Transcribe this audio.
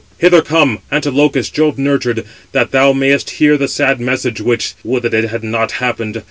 hither come, Antilochus, Jove nurtured, that thou mayest hear the sad message which—would that it had not happened.